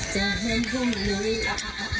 จะเห็นภูมิเลยอ่ะ